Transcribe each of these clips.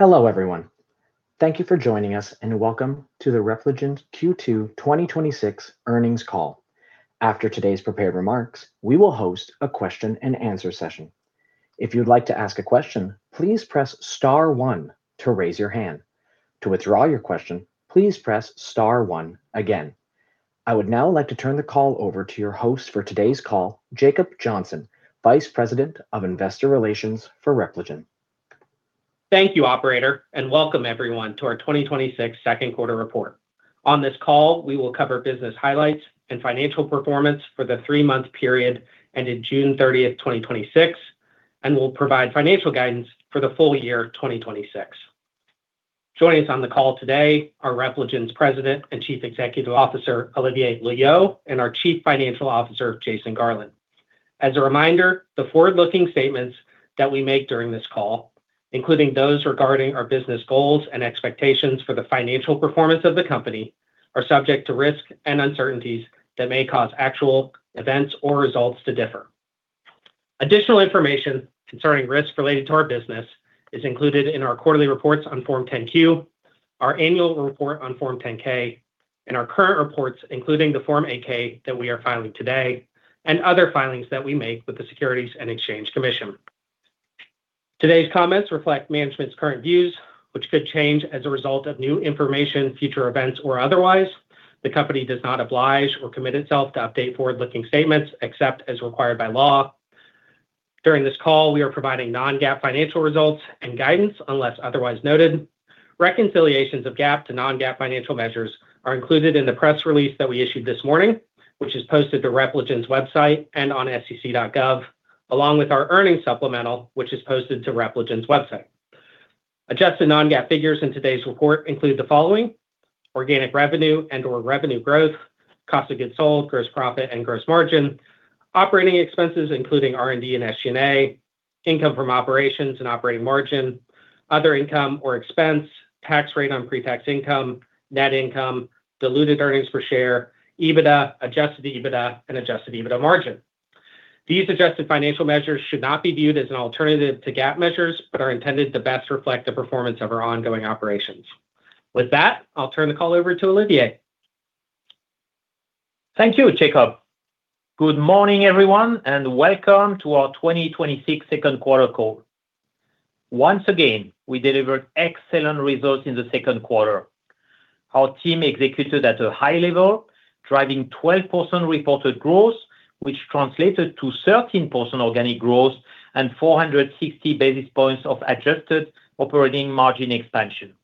Hello everyone. Thank you for joining us, and welcome to the Repligen Q2 2026 earnings call. After today's prepared remarks, we will host a question-and-answer session. If you'd like to ask a question, please press star one to raise your hand. To withdraw your question, please press star one again. I would now like to turn the call over to your host for today's call, Jacob Johnson, Vice President of Investor Relations for Repligen. Thank you, operator. Welcome everyone to our 2026 second quarter report. On this call, we will cover business highlights and financial performance for the three-month period ending June 30th, 2026, and will provide financial guidance for the full year 2026. Joining us on the call today are Repligen's President and Chief Executive Officer, Olivier Loeillot, and our Chief Financial Officer, Jason Garland. As a reminder, the forward-looking statements that we make during this call, including those regarding our business goals and expectations for the financial performance of the company, are subject to risks and uncertainties that may cause actual events or results to differ. Additional information concerning risks related to our business is included in our quarterly reports on Form 10-Q, our annual report on Form 10-K, and our current reports, including the Form 8-K that we are filing today, and other filings that we make with the Securities and Exchange Commission. Today's comments reflect management's current views, which could change as a result of new information, future events, or otherwise. The company does not oblige or commit itself to update forward-looking statements except as required by law. During this call, we are providing non-GAAP financial results and guidance, unless otherwise noted. Reconciliations of GAAP to non-GAAP financial measures are included in the press release that we issued this morning, which is posted to Repligen's website and on sec.gov, along with our earnings supplemental, which is posted to Repligen's website. Adjusted non-GAAP figures in today's report include the following. Organic revenue and/or revenue growth, cost of goods sold, gross profit and gross margin, operating expenses, including R&D and SG&A, income from operations and operating margin, other income or expense, tax rate on pre-tax income, net income, diluted earnings per share, EBITDA, adjusted EBITDA, and adjusted EBITDA margin. These adjusted financial measures should not be viewed as an alternative to GAAP measures but are intended to best reflect the performance of our ongoing operations. With that, I'll turn the call over to Olivier. Thank you, Jacob. Good morning, everyone, and welcome to our 2026 second quarter call. Once again, we delivered excellent results in the second quarter. Our team executed at a high level, driving 12% reported growth, which translated to 13% organic growth and 460 basis points of adjusted operating margin expansion.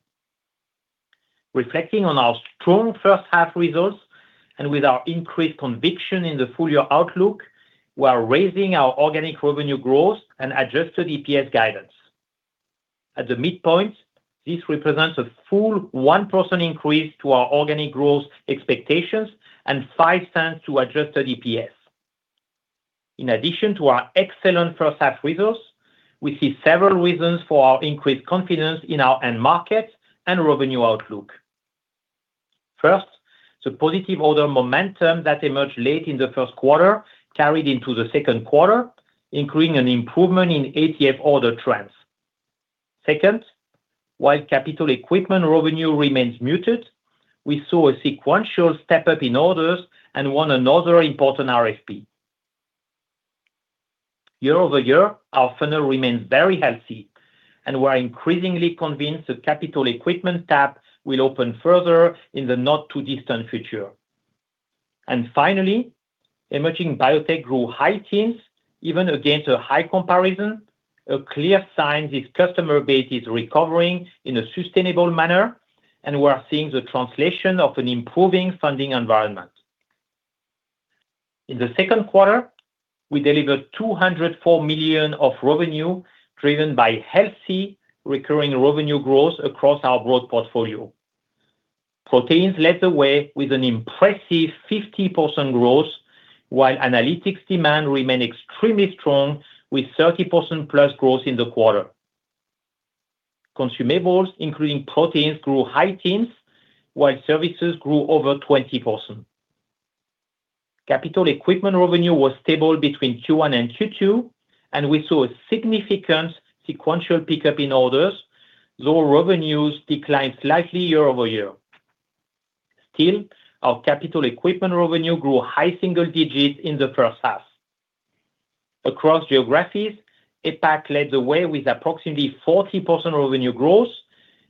Reflecting on our strong first-half results and with our increased conviction in the full-year outlook, we are raising our organic revenue growth and adjusted EPS guidance. At the midpoint, this represents a full 1% increase to our organic growth expectations and $0.05 to adjusted EPS. In addition to our excellent first half results, we see several reasons for our increased confidence in our end markets and revenue outlook. First, the positive order momentum that emerged late in the first quarter carried into the second quarter, including an improvement in ATF order trends. Second, while capital equipment revenue remains muted, we saw a sequential step-up in orders and won another important RFP. Year-over-year, our funnel remains very healthy, and we're increasingly convinced the capital equipment tab will open further in the not too distant future. Finally, emerging biotech grew in the high teens, even against a high comparison, a clear sign this customer base is recovering in a sustainable manner, and we are seeing the translation of an improving funding environment. In the second quarter, we delivered $204 million of revenue, driven by healthy recurring revenue growth across our broad portfolio. Proteins led the way with an impressive 50% growth, while analytics demand remained extremely strong with 30%+ growth in the quarter. Consumables, including proteins, grew in the high teens, while services grew over 20%. Capital equipment revenue was stable between Q1 and Q2, and we saw a significant sequential pickup in orders, though revenues declined slightly year-over-year. Still, our capital equipment revenue grew high-single-digits in the first half. Across geographies, APAC led the way with approximately 40% revenue growth,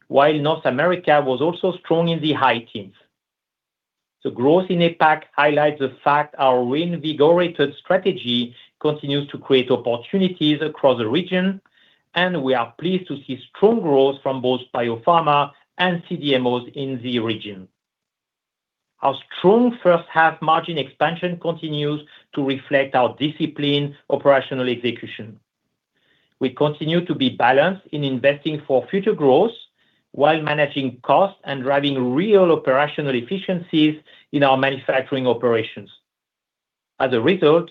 while North America was also strong in the high teens. The growth in APAC highlights the fact our reinvigorated strategy continues to create opportunities across the region, and we are pleased to see strong growth from both biopharma and CDMOs in the region. Our strong first half margin expansion continues to reflect our disciplined operational execution. We continue to be balanced in investing for future growth while managing costs and driving real operational efficiencies in our manufacturing operations. As a result,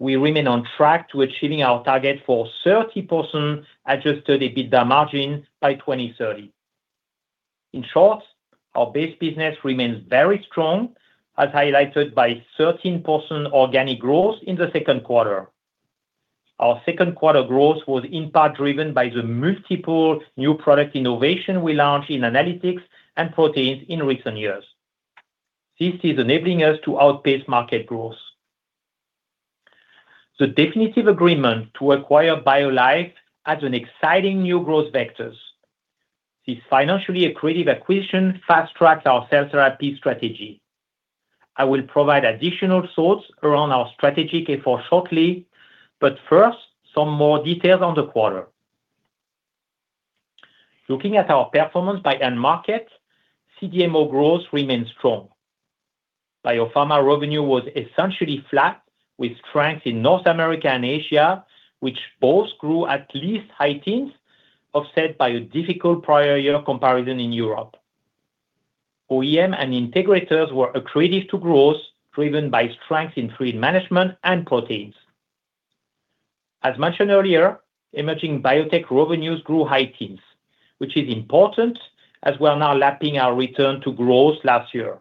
we remain on track to achieving our target for 30% adjusted EBITDA margin by 2030. In short, our base business remains very strong, as highlighted by 13% organic growth in the second quarter. Our second-quarter growth was in part driven by the multiple new product innovations we launched in Analytics and Proteins in recent years. This is enabling us to outpace market growth. The definitive agreement to acquire BioLife adds an exciting new growth vector. This financially accretive acquisition fast-tracks our cell therapy strategy. I will provide additional thoughts around our strategy shortly, but first, some more details on the quarter. Looking at our performance by end market, CDMO growth remains strong. Biopharma revenue was essentially flat, with strength in North America and Asia, which both grew at least high teens, offset by a difficult prior-year comparison in Europe. OEMs and integrators were accretive to growth, driven by strength in fluid management and proteins. As mentioned earlier, emerging biotech revenues grew high teens, which is important as we are now lapping our return to growth last year.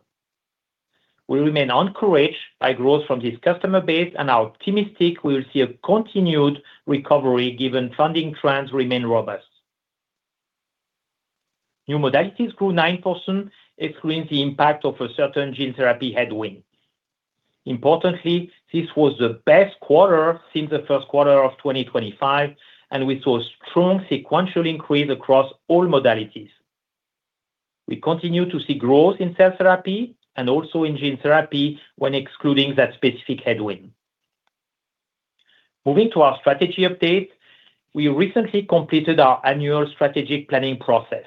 We remain encouraged by growth from this customer base and are optimistic we will see a continued recovery given funding trends remain robust. New modalities grew 9%, excluding the impact of a certain gene therapy headwind. Importantly, this was the best quarter since the first quarter of 2025, and we saw a strong sequential increase across all modalities. We continue to see growth in cell therapy and also in gene therapy when excluding that specific headwind. Moving to our strategy update, we recently completed our annual strategic planning process.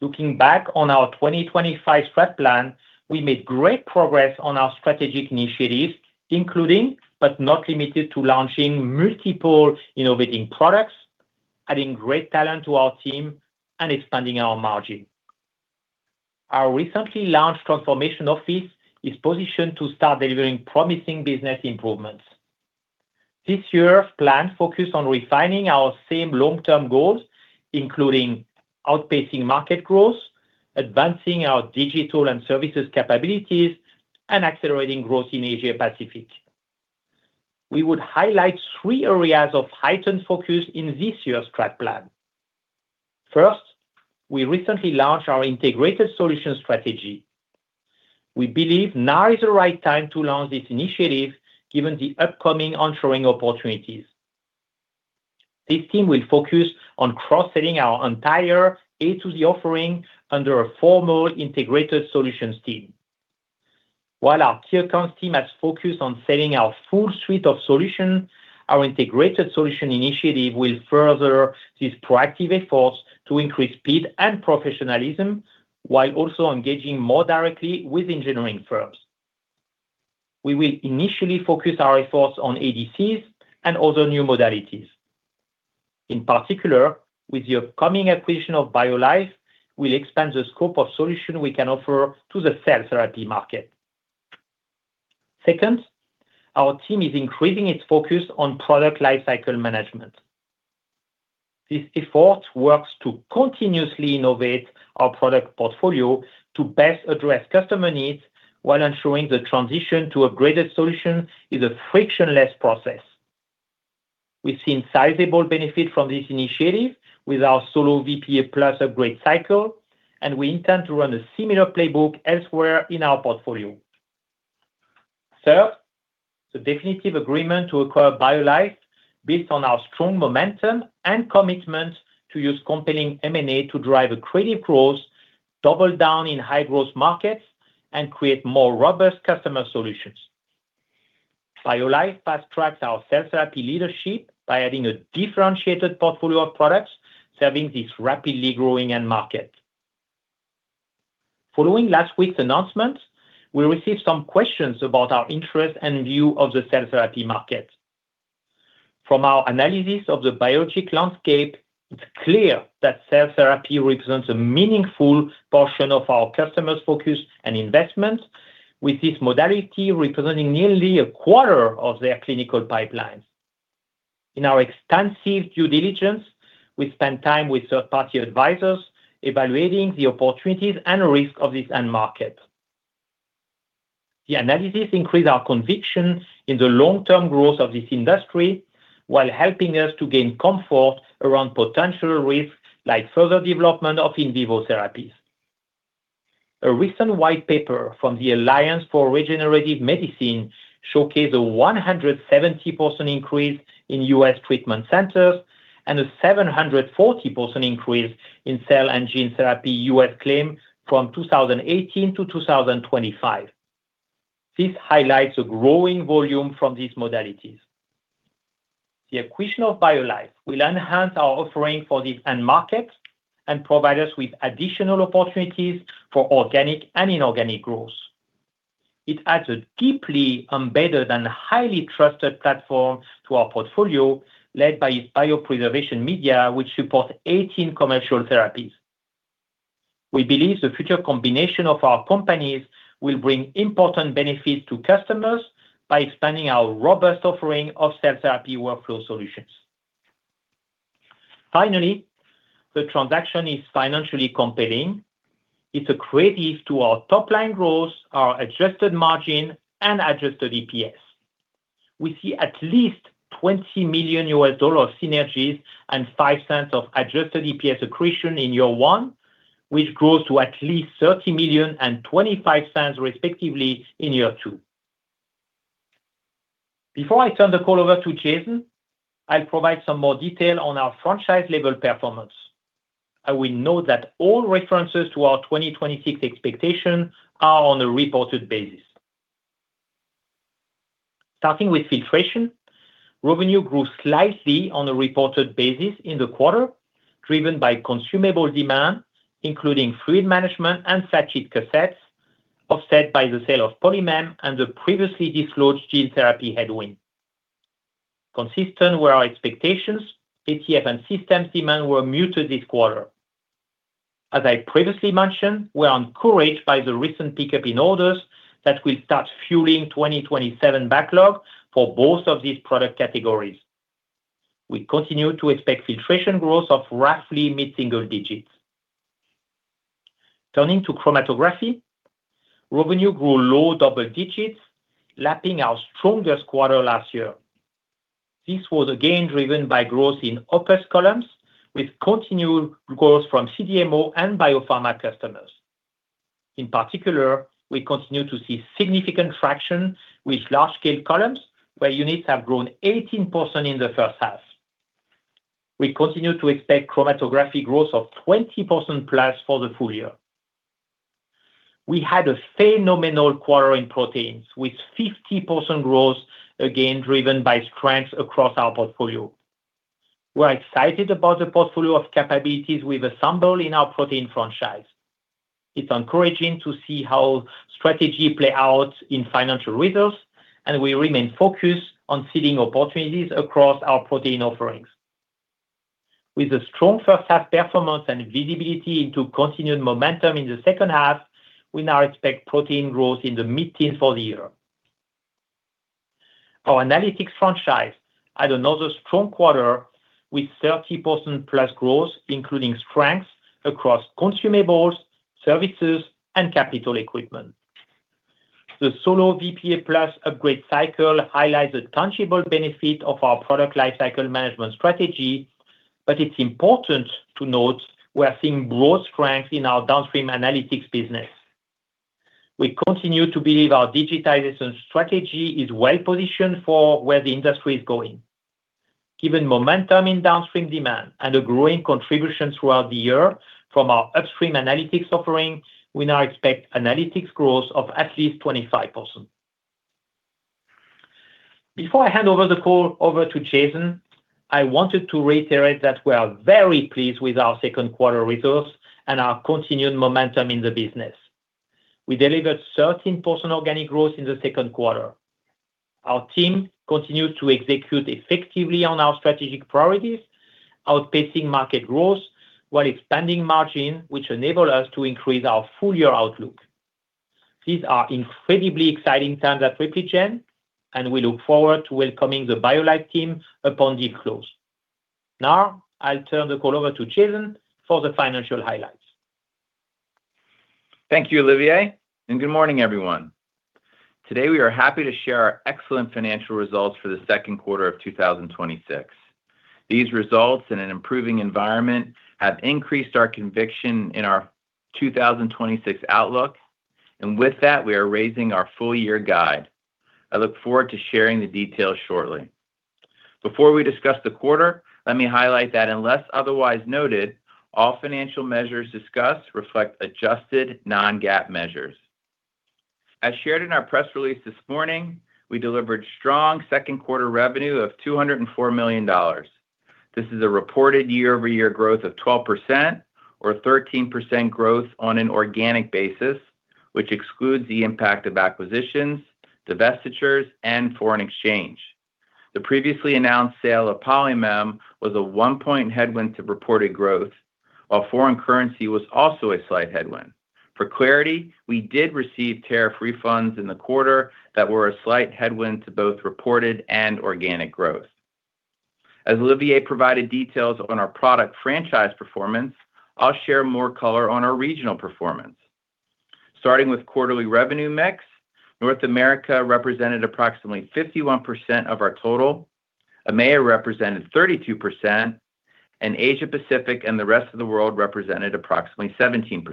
Looking back on our 2025 strat plan, we made great progress on our strategic initiatives, including but not limited to launching multiple innovative products, adding great talent to our team, and expanding our margin. Our recently launched transformation office is positioned to start delivering promising business improvements. This year's plan focused on refining our same long-term goals, including outpacing market growth, advancing our digital and services capabilities, and accelerating growth in Asia Pacific. We would highlight three areas of heightened focus in this year's strat plan. First, we recently launched our integrated solutions strategy. We believe now is the right time to launch this initiative given the upcoming ensuing opportunities. This team will focus on cross-selling our entire end-to-end offering under a formal integrated solutions team. While our key accounts team has focused on selling our full suite of solutions, our integrated solution initiative will further these proactive efforts to increase speed and professionalism while also engaging more directly with engineering firms. We will initially focus our efforts on ADCs and other new modalities. In particular, with the upcoming acquisition of BioLife, we'll expand the scope of solutions we can offer to the cell therapy market. Second, our team is increasing its focus on product lifecycle management. This effort works to continuously innovate our product portfolio to best address customer needs while ensuring the transition to the upgraded solution is a frictionless process. We've seen sizable benefit from this initiative with our SoloVPE PLUS System upgrade cycle, and we intend to run a similar playbook elsewhere in our portfolio. Third, the definitive agreement to acquire BioLife builds on our strong momentum and commitment to use compelling M&A to drive accretive growth, double down in high-growth markets, and create more robust customer solutions. BioLife fast-tracks our cell therapy leadership by adding a differentiated portfolio of products serving this rapidly growing end market. Following last week's announcement, we received some questions about our interest and view of the cell therapy market. From our analysis of the biotech landscape, it's clear that cell therapy represents a meaningful portion of our customers' focus and investment, with this modality representing nearly a quarter of their clinical pipelines. In our extensive due diligence, we spent time with third-party advisors evaluating the opportunities and risks of this end market. The analysis increased our conviction in the long-term growth of this industry while helping us to gain comfort around potential risks like further development of in vivo therapies. A recent white paper from the Alliance for Regenerative Medicine showcased a 170% increase in U.S. treatment centers and a 740% increase in cell and gene therapy U.S. claims from 2018 to 2025. This highlights a growing volume from these modalities. The acquisition of BioLife will enhance our offering for this end market and provide us with additional opportunities for organic and inorganic growth. It adds a deeply embedded and highly trusted platform to our portfolio, led by its biopreservation media, which supports 18 commercial therapies. We believe the future combination of our companies will bring important benefits to customers by expanding our robust offering of cell therapy workflow solutions. Finally, the transaction is financially compelling. It's accretive to our top-line growth, our adjusted margin, and adjusted EPS. We see at least $20 million in synergies and $0.05 of adjusted EPS accretion in year one, which grows to at least $30 million and $0.25, respectively, in year two. Before I turn the call over to Jason, I'll provide some more detail on our franchise-level performance. I will note that all references to our 2026 expectation are on a reported basis. Starting with filtration, revenue grew slightly on a reported basis in the quarter, driven by consumable demand, including fluid management and flat-sheet cassettes, offset by the sale of Polymem and the previously disclosed gene therapy headwind. Consistent with our expectations, ATF and system demands were muted this quarter. As I previously mentioned, we're encouraged by the recent pickup in orders that will start fueling the 2027 backlog for both of these product categories. We continue to expect filtration growth of roughly mid-single digits. Turning to chromatography, revenue grew low-double digits, lapping our strongest quarter last year. This was again driven by growth in OPUS columns with continued growth from CDMO and biopharma customers. In particular, we continue to see significant traction with large-scale columns, where units have grown 18% in the first half. We continue to expect chromatography growth of +20% for the full year. We had a phenomenal quarter in proteins with 50% growth, again, driven by strengths across our portfolio. We're excited about the portfolio of capabilities we've assembled in our protein franchise. It's encouraging to see how strategy plays out in financial results, and we remain focused on seeing opportunities across our protein offerings. With a strong first-half performance and visibility into continued momentum in the second half, we now expect protein growth in the mid-teens for the year. Our analytics franchise had another strong quarter with +30% growth, including strengths across consumables, services, and capital equipment. The SoloVPE PLUS System upgrade cycle highlights the tangible benefit of our product lifecycle management strategy, but it's important to note we are seeing broad strength in our downstream analytics business. We continue to believe our digitization strategy is well-positioned for where the industry is going. Given momentum in downstream demand and a growing contribution throughout the year from our upstream analytics offering, we now expect analytics growth of at least 25%. Before I hand the call over to Jason, I wanted to reiterate that we are very pleased with our second quarter results and our continued momentum in the business. We delivered 13% organic growth in the second quarter. Our team continued to execute effectively on our strategic priorities, outpacing market growth while expanding margin, which enabled us to increase our full-year outlook. These are incredibly exciting times at Repligen, and we look forward to welcoming the BioLife team upon the close. Now, I'll turn the call over to Jason for the financial highlights. Thank you, Olivier, and good morning, everyone. Today, we are happy to share our excellent financial results for the second quarter of 2026. These results in an improving environment have increased our conviction in our 2026 outlook. With that, we are raising our full-year guide. I look forward to sharing the details shortly. Before we discuss the quarter, let me highlight that unless otherwise noted, all financial measures discussed reflect adjusted non-GAAP measures. As shared in our press release this morning, we delivered strong second-quarter revenue of $204 million. This is a reported year-over-year growth of 12% or 13% growth on an organic basis, which excludes the impact of acquisitions, divestitures, and foreign exchange. The previously announced sale of Polymem was a one-point headwind to reported growth, while foreign currency was also a slight headwind. For clarity, we did receive tariff refunds in the quarter that were a slight headwind to both reported and organic growth. As Olivier provided details on our product franchise performance, I will share more color on our regional performance. Starting with quarterly revenue mix, North America represented approximately 51% of our total, EMEA represented 32%, and Asia Pacific and the rest of the world represented approximately 17%.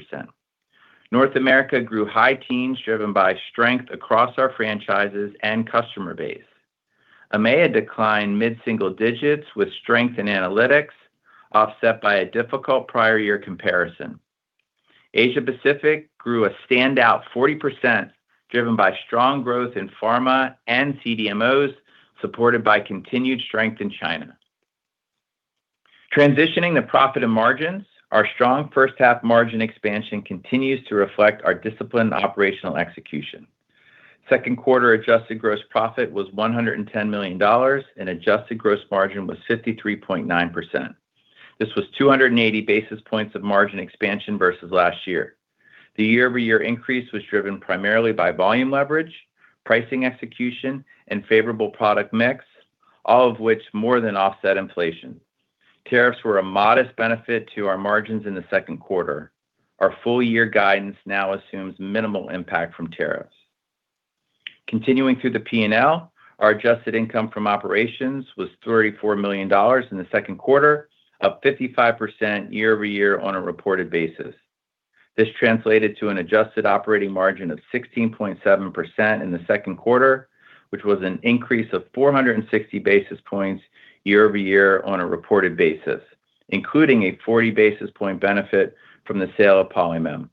North America grew in high teens, driven by strength across our franchises and customer base. EMEA declined mid-single digits with strength in analytics, offset by a difficult prior year comparison. Asia-Pacific grew a standout 40%, driven by strong growth in pharma and CDMOs, supported by continued strength in China. Transitioning to profit and margins, our strong first-half margin expansion continues to reflect our disciplined operational execution. The second quarter adjusted gross profit was $110 million, and the adjusted gross margin was 53.9%. This was 280 basis points of margin expansion versus last year. The year-over-year increase was driven primarily by volume leverage, pricing execution, and favorable product mix, all of which more than offset inflation. Tariffs were a modest benefit to our margins in the second quarter. Our full-year guidance now assumes minimal impact from tariffs. Continuing through the P&L, our adjusted income from operations was $34 million in the second quarter, up 55% year-over-year on a reported basis. This translated to an adjusted operating margin of 16.7% in the second quarter, which was an increase of 460 basis points year-over-year on a reported basis, including a 40 basis point benefit from the sale of Polymem.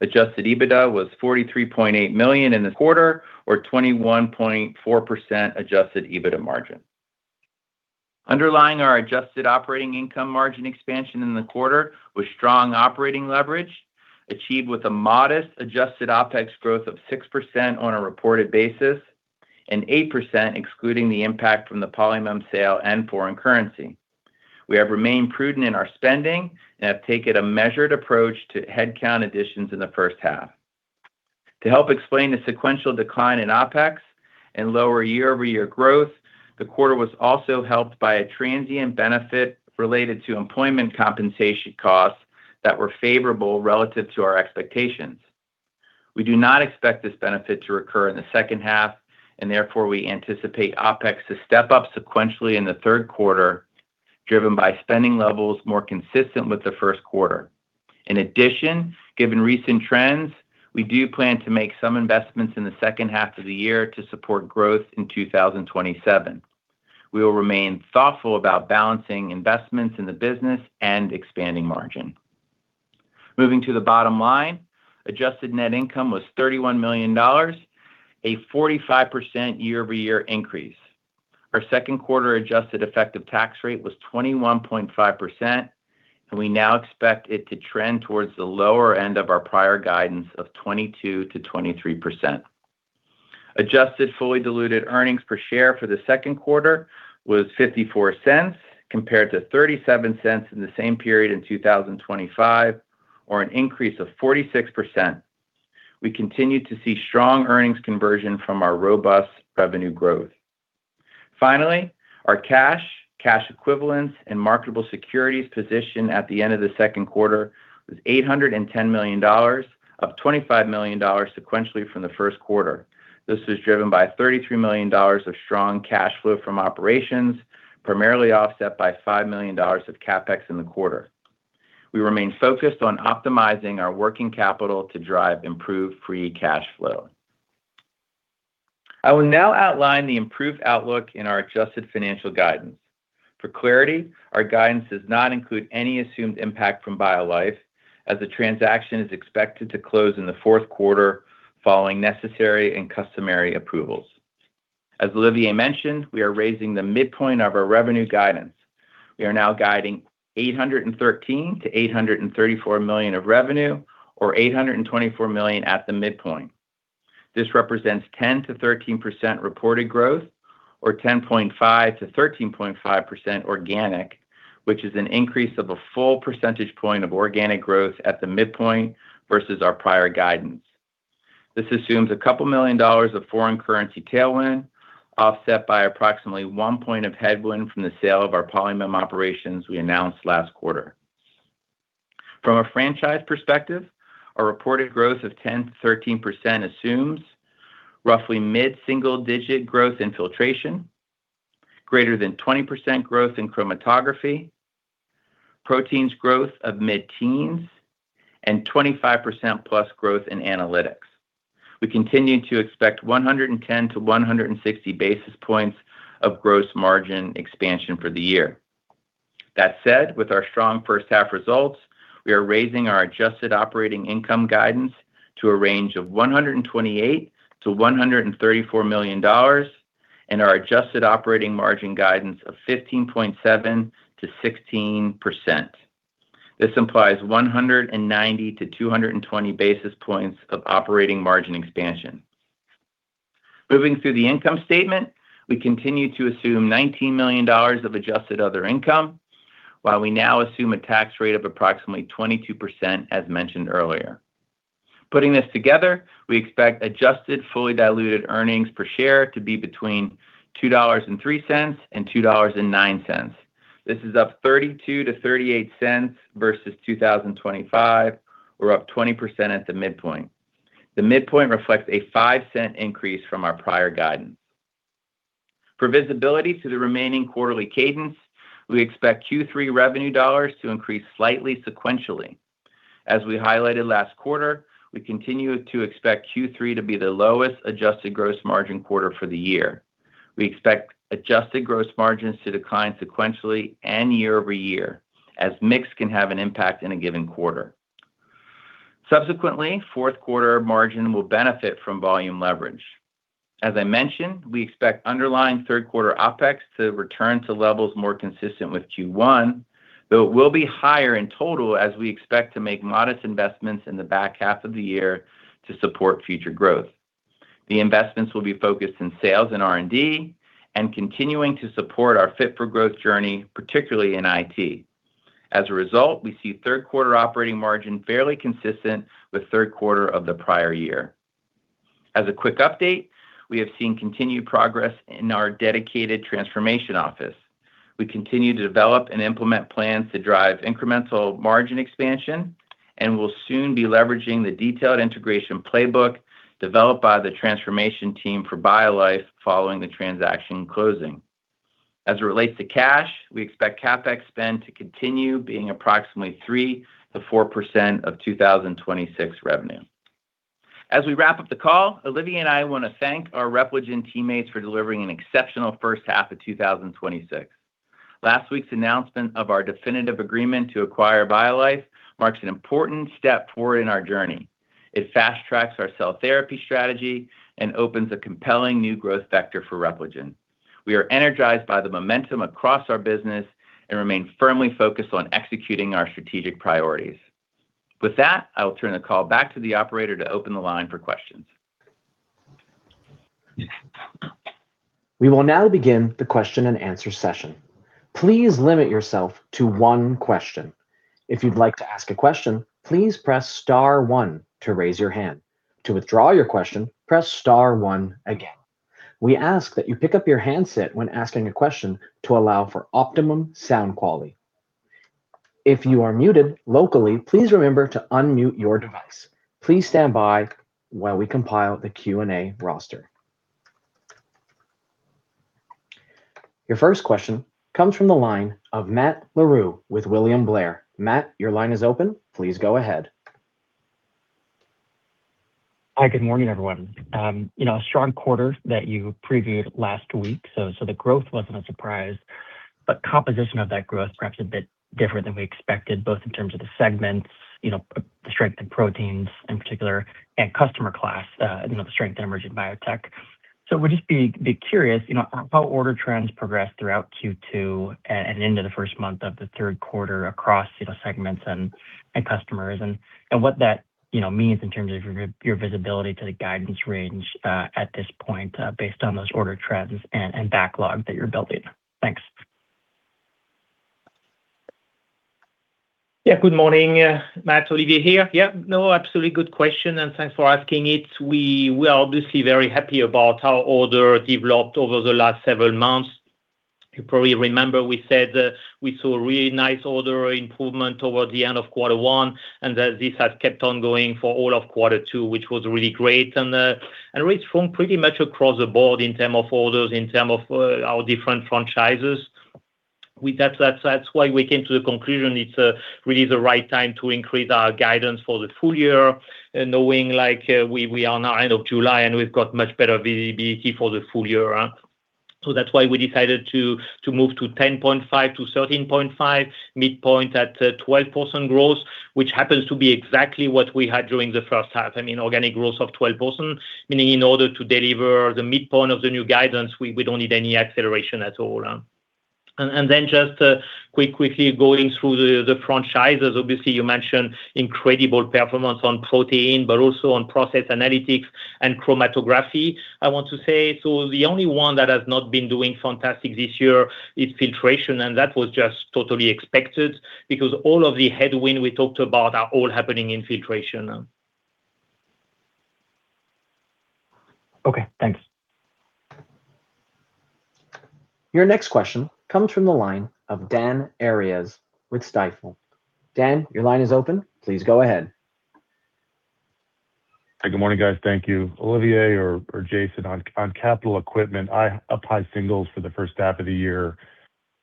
Adjusted EBITDA was $43.8 million in the quarter, or 21.4% adjusted EBITDA margin. Underlying our adjusted operating income margin expansion in the quarter was strong operating leverage, achieved with a modest adjusted OpEx growth of 6% on a reported basis and 8% excluding the impact from the Polymem sale and foreign currency. We have remained prudent in our spending and have taken a measured approach to headcount additions in the first half. To help explain the sequential decline in OpEx and lower year-over-year growth, the quarter was also helped by a transient benefit related to employment compensation costs that were favorable relative to our expectations. We do not expect this benefit to recur in the second half, and therefore, we anticipate OpEx to step up sequentially in the third quarter, driven by spending levels more consistent with the first quarter. In addition, given recent trends, we do plan to make some investments in the second half of the year to support growth in 2027. We will remain thoughtful about balancing investments in the business and expanding margin. Moving to the bottom line, adjusted net income was $31 million, a 45% year-over-year increase. Our second quarter adjusted effective tax rate was 21.5%, and we now expect it to trend towards the lower end of our prior guidance of 22%-23%. Adjusted fully diluted earnings per share for the second quarter was $0.54, compared to $0.37 in the same period in 2025, or an increase of 46%. We continued to see strong earnings conversion from our robust revenue growth. Finally, our cash equivalents and marketable securities position at the end of the second quarter was $810 million, up $25 million sequentially from the first quarter. This was driven by $33 million of strong cash flow from operations, primarily offset by $5 million of CapEx in the quarter. We remain focused on optimizing our working capital to drive improved free cash flow. I will now outline the improved outlook in our adjusted financial guidance. For clarity, our guidance does not include any assumed impact from BioLife, as the transaction is expected to close in the fourth quarter following necessary and customary approvals. As Olivier mentioned, we are raising the midpoint of our revenue guidance. We are now guiding $813 million-$834 million of revenue, or $824 million at the midpoint. This represents 10%-13% reported growth, or 10.5%-13.5% organic, which is an increase of a full percentage point of organic growth at the midpoint versus our prior guidance. This assumes a couple million dollars of foreign currency tailwind offset by approximately one point of headwind from the sale of our Polymem operations, which we announced last quarter. From a franchise perspective, our reported growth of 10%-13% assumes roughly mid-single-digit growth in filtration, greater than 20% growth in chromatography, protein growth of mid-teens, and +25% growth in analytics. We continue to expect 110-160 basis points of gross margin expansion for the year. That said, with our strong first-half results, we are raising our adjusted operating income guidance to a range of $128 million-$134 million and our adjusted operating margin guidance of 15.7%-16%. This implies 190-220 basis points of operating margin expansion. Moving through the income statement, we continue to assume $19 million of adjusted other income, while we now assume a tax rate of approximately 22% as mentioned earlier. Putting this together, we expect adjusted fully diluted earnings per share to be between $2.03 and $2.09. This is up $0.32-$0.38 versus 2025, or up 20% at the midpoint. The midpoint reflects a $0.05 increase from our prior guidance. For visibility to the remaining quarterly cadence, we expect Q3 revenue dollars to increase slightly sequentially. As we highlighted last quarter, we continue to expect Q3 to be the lowest adjusted gross margin quarter for the year. We expect adjusted gross margins to decline sequentially and year-over-year, as mix can have an impact in a given quarter. Subsequently, fourth quarter margin will benefit from volume leverage. As I mentioned, we expect underlying third quarter OpEx to return to levels more consistent with Q1, though it will be higher in total as we expect to make modest investments in the back half of the year to support future growth. The investments will be focused in sales and R&D and continuing to support our Fit for Growth journey, particularly in IT. As a result, we see the third-quarter operating margin fairly consistent with the third quarter of the prior year. As a quick update, we have seen continued progress in our dedicated transformation office. We continue to develop and implement plans to drive incremental margin expansion and will soon be leveraging the detailed integration playbook developed by the transformation team for BioLife following the transaction closing. As it relates to cash, we expect CapEx spend to continue being approximately 3%-4% of 2026 revenue. As we wrap up the call, Olivier and I want to thank our Repligen teammates for delivering an exceptional first half of 2026. Last week's announcement of our definitive agreement to acquire BioLife marks an important step forward in our journey. It fast-tracks our cell therapy strategy and opens a compelling new growth vector for Repligen. We are energized by the momentum across our business and remain firmly focused on executing our strategic priorities. With that, I will turn the call back to the operator to open the line for questions. We will now begin the question-and-answer session. Please limit yourself to one question. If you'd like to ask a question, please press star one to raise your hand. To withdraw your question, press star one again. We ask that you pick up your handset when asking a question to allow for optimum sound quality. If you are muted locally, please remember to unmute your device. Please stand by while we compile the Q&A roster. Your first question comes from the line of Matt Larew with William Blair. Matt, your line is open. Please go ahead. Hi, good morning, everyone. A strong quarter that you previewed last week. The growth wasn't a surprise, but the composition of that growth was perhaps a bit different than we expected, both in terms of the segments, the strength in proteins in particular, and customer class, the strength in emerging biotech. I would just be curious how order trends progress throughout Q2 and into the first month of the third quarter across segments and customers and what that means in terms of your visibility to the guidance range at this point based on those order trends and backlog that you're building. Thanks. Good morning, Matt. Olivier here. No, absolutely good question, and thanks for asking it. We are obviously very happy about how orders developed over the last several months. You probably remember we said we saw a really nice order improvement over the end of quarter one, and this has kept on going for all of quarter two, which was really great and really strong pretty much across the board in terms of orders, in terms of our different franchises. That's why we came to the conclusion it's really the right time to increase our guidance for the full year, knowing we are now at the end of July and we've got much better visibility for the full year. That's why we decided to move to 10.5% to 13.5%, with a midpoint at 12% growth, which happens to be exactly what we had during the first half. Organic growth of 12%, meaning in order to deliver the midpoint of the new guidance, we don't need any acceleration at all. Just quickly going through the franchises. Obviously, you mentioned incredible performance on proteins but also on process analytics and chromatography. I want to say the only one that has not been doing fantastic this year is Filtration, and that was just totally expected because all of the headwinds we talked about are all happening in Filtration. Okay, thanks. Your next question comes from the line of Dan Arias with Stifel. Dan, your line is open. Please go ahead. Good morning, guys. Thank you. Olivier or Jason, on capital equipment, high single digits for the first half of the year.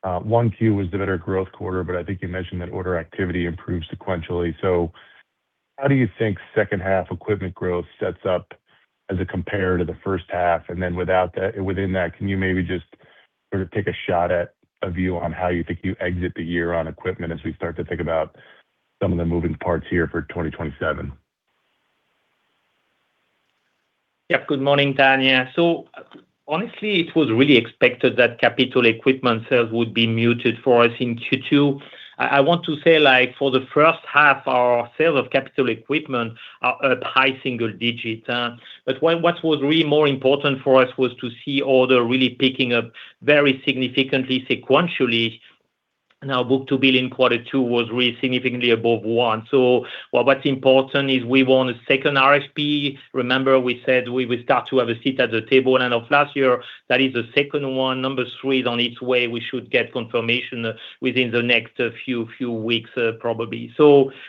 Q1 was the better growth quarter, but I think you mentioned that order activity improved sequentially. How do you think second-half equipment growth sets up as a comparison to the first half? Within that, can you maybe just sort of take a shot at a view on how you think you exit the year on equipment as we start to think about some of the moving parts here for 2027? Good morning, Dan. Honestly, it was really expected that capital equipment sales would be muted for us in Q2. I want to say for the first half, our sales of capital equipment are up high single digits. What was really more important for us was to see order really picking up very significantly sequentially. Book-to-bill in Q2 was really significantly above one. What's important is we won a second RFP. Remember we said we will start to have a seat at the table end of last year. That is the second one. Number three is on its way. We should get confirmation within the next few weeks probably.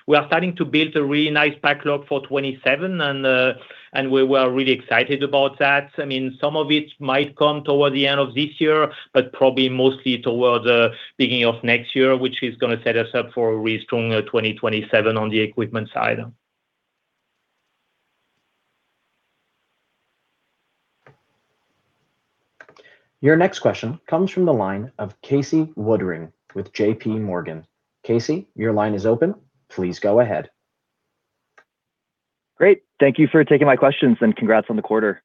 We are starting to build a really nice backlog for 2027; we were really excited about that. Some of it might come toward the end of this year, probably mostly toward the beginning of next year, which is going to set us up for a really stronger 2027 on the equipment side. Your next question comes from the line of Casey Woodring with J.P. Morgan. Casey, your line is open. Please go ahead. Great. Thank you for taking my questions and congrats on the quarter.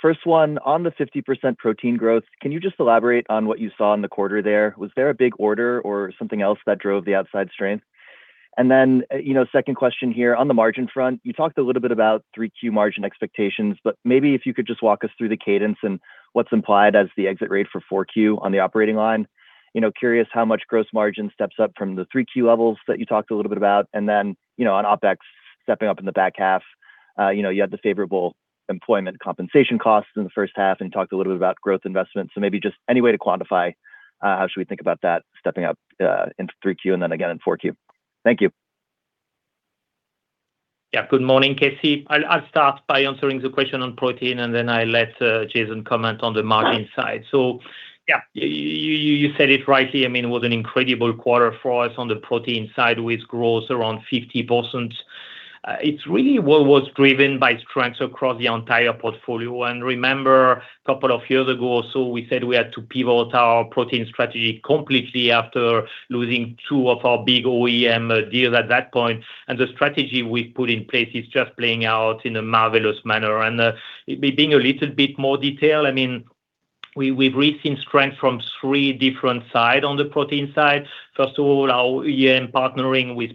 First one, on the 50% protein growth, can you just elaborate on what you saw in the quarter there? Was there a big order or something else that drove the outside strength? Second question here, on the margin front, you talked a little bit about Q3 margin expectations, but maybe if you could just walk us through the cadence and what's implied as the exit rate for Q4 on the operating line. I'm curious how much gross margin steps up from Q3 levels that you talked a little bit about and then on OpEx stepping up in the back half. You had the favorable employment compensation costs in the first half, and you talked a little bit about growth investments. Maybe just any way to quantify how should we think about that stepping up in Q3 and then again in Q4. Thank you. Good morning, Casey. I'll start by answering the question on proteins, and then I'll let Jason comment on the margin side. You said it rightly. It was an incredible quarter for us on the protein side, with growth around 50%. It's really what was driven by strengths across the entire portfolio. Remember, a couple of years ago or so, we said we had to pivot our Proteins strategy completely after losing two of our big OEM deals at that point. The strategy we've put in place is just playing out in a marvelous manner. Being a little bit more detailed, we've had recent strength from three different sides on the protein side. First of all, our OEM partnering with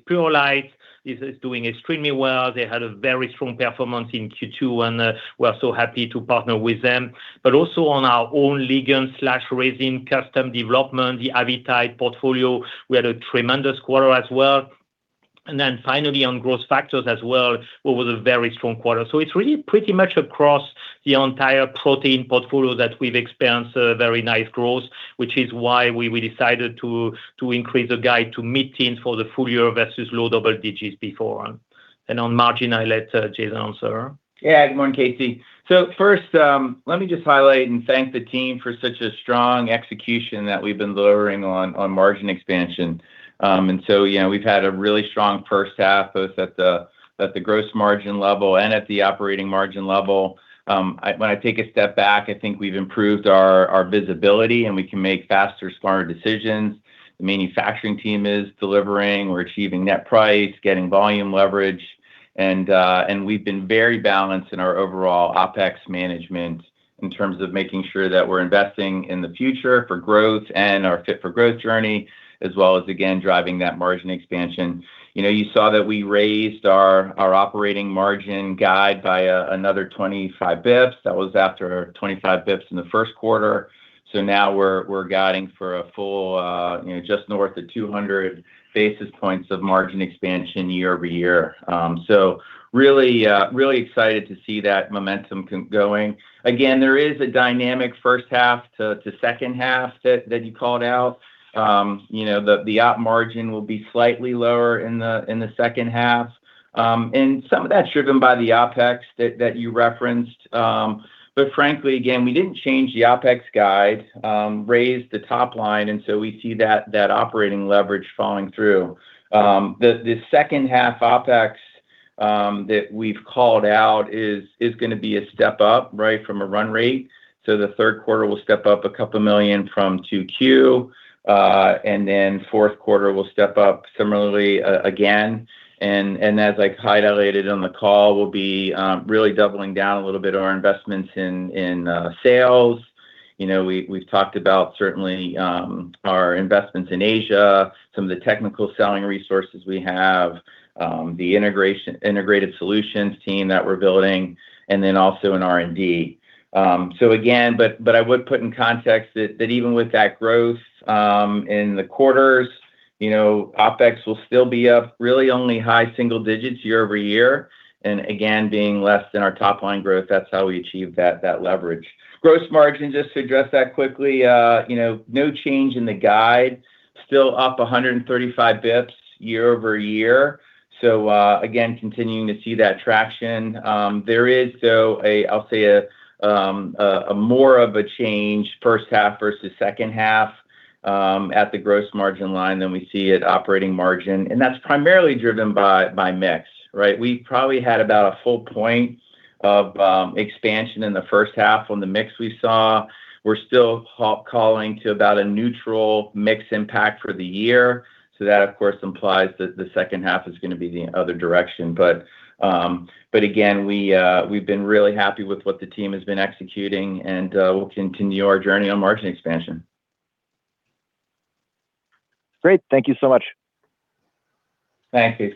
Purolite is doing extremely well. They had a very strong performance in Q2, and we're so happy to partner with them. Also on our own ligand/resin custom development, the Avitide portfolio, we had a tremendous quarter as well. Finally, on growth factors as well, it was a very strong quarter. It's really pretty much across the entire protein portfolio that we've experienced a very nice growth, which is why we decided to increase the guide to mid-teens for the full year versus low double digits before. On margin, I let Jason answer. Good morning, Casey. First, let me just highlight and thank the team for such strong execution that we've been delivering on margin expansion. We've had a really strong first half, both at the gross margin level and at the operating margin level. When I take a step back, I think we've improved our visibility, and we can make faster, smarter decisions. The manufacturing team is delivering. We're achieving net price, getting volume leverage, and we've been very balanced in our overall OpEx management in terms of making sure that we're investing in the future for growth and our Fit for Growth journey, as well as, again, driving that margin expansion. You saw that we raised our operating margin guide by another 25 basis points. That was after 25 basis points in the first quarter. Now we're guiding for a full just north of 200 basis points of margin expansion year-over-year. Really excited to see that momentum going. Again, there is a dynamic first half to second half that you called out. The op margin will be slightly lower in the second half. Some of that's driven by the OpEx that you referenced. Frankly, again, we didn't change the OpEx guide and raise the top line, and we see that operating leverage following through. The second half OpEx that we've called out is going to be a step up from a run rate. The third quarter will step up a couple million from Q2, and the fourth quarter will step up similarly again. As I highlighted on the call, we'll be really doubling down a little bit on our investments in sales. We've talked about certainly our investments in Asia, some of the technical selling resources we have, the integrated solutions team that we're building, and also R&D. Again, I would put in context that even with that growth in the quarters, OpEx will still be up really only high single digits year-over-year and, again, be less than our top-line growth. That's how we achieve that leverage. Gross margin, just to address that quickly. No change in the guide. Still up 135 basis points year-over-year. Again, continuing to see that traction. There is, though; I'll say more of a change from the first half versus the second half at the gross margin line than we see at operating margin. That's primarily driven by the mix, right? We probably had about a full point of expansion in the first half on the mix we saw. We're still calling to about a neutral mix impact for the year. That, of course, implies that the second half is going to be the other direction. Again, we've been really happy with what the team has been executing, and we'll continue our journey on margin expansion. Great. Thank you so much. Thank you.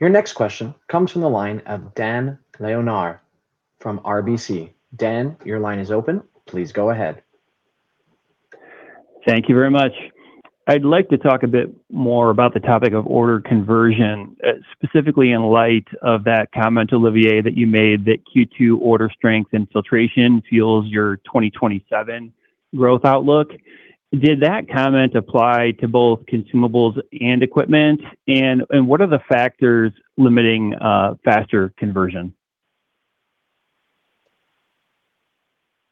Your next question comes from the line of Dan Leonard from RBC. Dan, your line is open. Please go ahead. Thank you very much. I'd like to talk a bit more about the topic of order conversion, specifically in light of that comment, Olivier, that you made that Q2 order strength and filtration fuels your 2027 growth outlook. Did that comment apply to both consumables and equipment? What are the factors limiting faster conversion?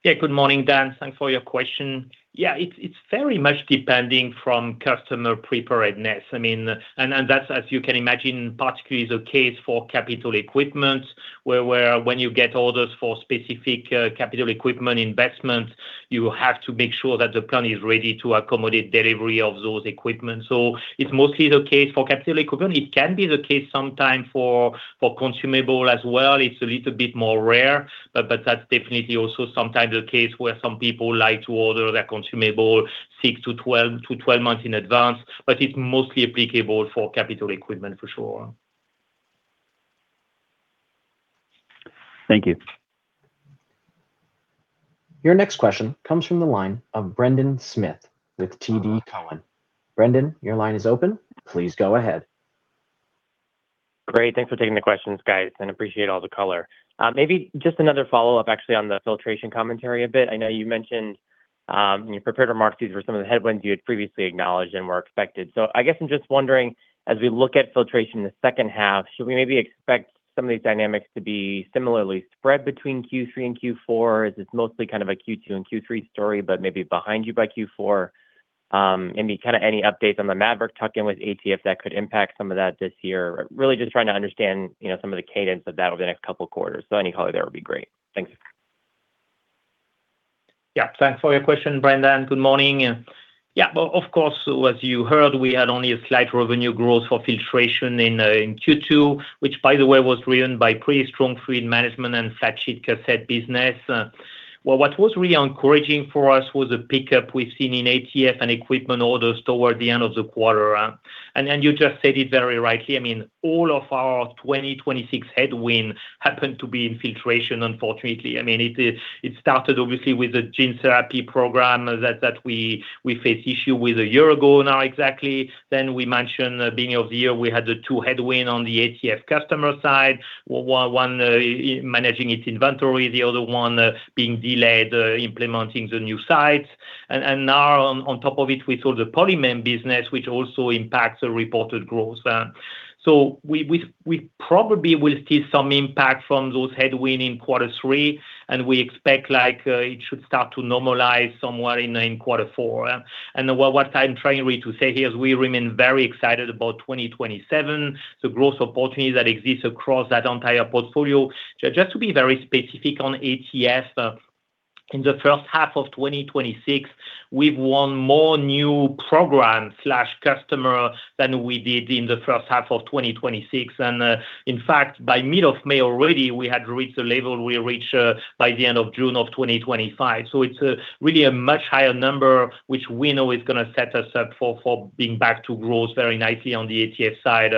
Yeah. Good morning, Dan. Thanks for your question. Yeah, it's very much dependent on customer preparedness. That's, as you can imagine, particularly the case for capital equipment, where when you get orders for specific capital equipment investments, you have to make sure that the plant is ready to accommodate delivery of that equipment. It's mostly the case for capital equipment. It can be the case sometimes for consumables as well. It's a little bit more rare, but that's definitely also sometimes the case where some people like to order their consumables six to 12 months in advance. It's mostly applicable for capital equipment, for sure. Thank you. Your next question comes from the line of Brendan Smith with TD Cowen. Brendan, your line is open. Please go ahead. Great. Thanks for taking the questions, guys, and I appreciate all the color. Maybe just another follow-up, actually, on the filtration commentary a bit. I know you mentioned in your prepared remarks these were some of the headwinds you had previously acknowledged and were expected. I guess I'm just wondering, as we look at filtration in the second half, should we maybe expect some of these dynamics to be similarly spread between Q3 and Q4? Is this mostly kind of a Q2 and Q3 story, but maybe behind you by Q4? Any updates on the Metenova tuck-in with ATF that could impact some of that this year? Really just trying to understand some of the cadence of that over the next couple of quarters. Any color there would be great. Thanks. Thanks for your question, Brendan. Good morning. As you heard, we had only a slight revenue growth for Filtration in Q2, which, by the way, was driven by pretty strong flat sheet and flat sheet cassette business. What was really encouraging for us was the pickup we’ve seen in ATF and equipment orders toward the end of the quarter. You just said it very rightly; all of our 2026 headwinds happened to be in Filtration, unfortunately. It started obviously with the gene therapy program that we faced issues with a year ago now, exactly. We mentioned at the beginning of the year we had two headwinds on the ATF customer side, one managing its inventory and the other one being delayed implementing the new sites. Now on top of it, we sold the Polymem business, which also impacts the reported growth. We probably will see some impact from those headwinds in quarter three, and we expect it should start to normalize somewhere in quarter four. What I’m trying really to say here is we remain very excited about 2027, the growth opportunity that exists across that entire portfolio. Just to be very specific on ATF, in the first half of 2026, we’ve won more new programs/customers than we did in the first half of 2025. In fact, by the middle of May already, we had reached the level we reached by the end of June of 2025. It’s really a much higher number, which we know is going to set us up for being back to growth very nicely on the ATF side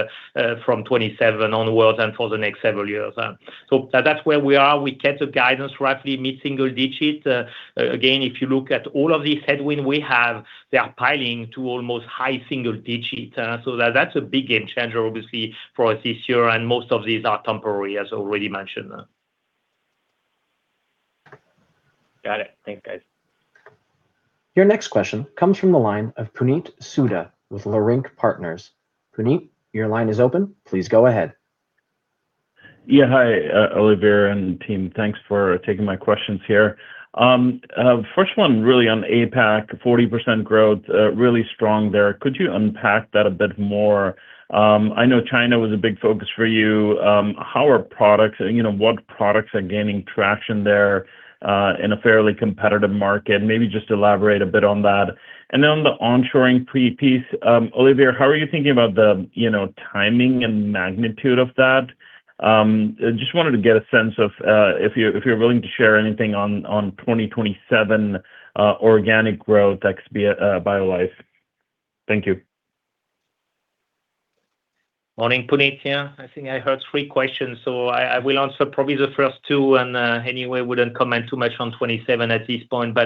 from 2027 onwards and for the next several years. That’s where we are. We kept the guidance roughly in the mid-single digits. If you look at all of these headwinds we have, they are piling to almost a high single digit. That’s a big game changer, obviously, for us this year, and most of these are temporary, as already mentioned. Got it. Thanks, guys. Your next question comes from the line of Puneet Souda with Leerink Partners. Puneet, your line is open. Please go ahead. Hi, Olivier and team. Thanks for taking my questions here. First one really on APAC, with 40% growth, which is really strong there. Could you unpack that a bit more? I know China was a big focus for you. How are products, and what products are gaining traction there in a fairly competitive market? Maybe just elaborate a bit on that. On the onshoring piece, Olivier, how are you thinking about the timing and magnitude of that? Just wanted to get a sense of if you're willing to share anything on 2027 organic growth ex-BioLife. Thank you. Morning, Puneet. I think I heard three questions. I will answer probably the first two, anyway; I wouldn't comment too much on 2027 at this point.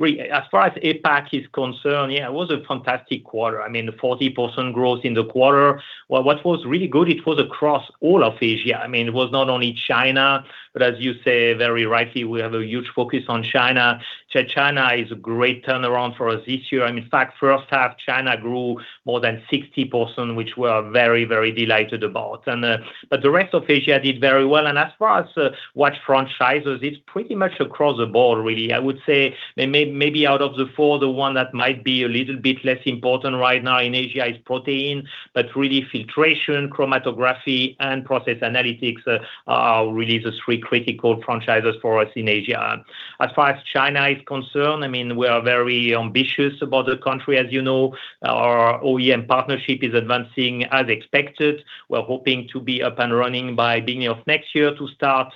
Really, as far as APAC is concerned, it was a fantastic quarter. I mean, the 40% growth in the quarter. What was really good was across all of Asia. It was not only China, as you say very rightly; we have a huge focus on China. China is a great turnaround for us this year. In fact, in the first half, China grew more than 60%, which we are very delighted about. The rest of Asia did very well. As far as what franchises, it's pretty much across the board, really. I would say maybe out of the four, the one that might be a little bit less important right now in Asia is Proteins, really Filtration, Chromatography, and Process Analytics are really the three critical franchises for us in Asia. As far as China is concerned, we are very ambitious about the country. As you know, our OEM partnership is advancing as expected. We're hoping to be up and running by the beginning of next year to start